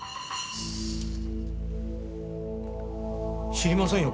知りませんよ